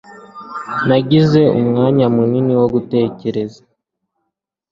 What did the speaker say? Nagize umwanya munini wo gutekereza